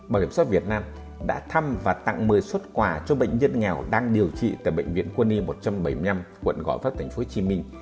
bảo hiểm xã việt nam đã thăm và tặng một mươi xuất quà cho bệnh nhân nghèo đang điều trị tại bệnh viện quân y một trăm bảy mươi năm quận gõ pháp tp hcm